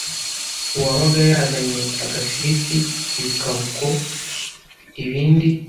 uwabaga yazanye agafiriti bikaba ukon ’ibindi…..,